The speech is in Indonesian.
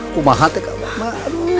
kau maha teh kakak aduh